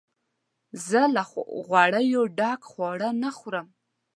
زه له غوړیو ډک خواړه نه خورم.